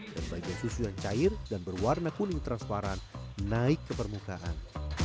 bagian susu yang cair dan berwarna kuning transparan naik ke permukaan